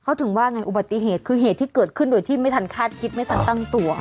เขาถึงว่าไงอุบัติเหตุคือเหตุที่เกิดขึ้นโดยที่ไม่ทันคาดคิดไม่ทันตั้งตัว